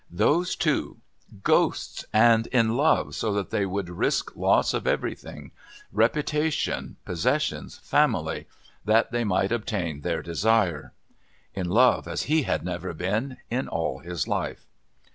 Those two! Ghosts! and in love so that they would risk loss of everything reputation, possessions, family that they might obtain their desire! In love as he had never been in all his life!